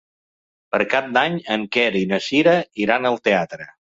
Per Cap d'Any en Quer i na Cira iran al teatre.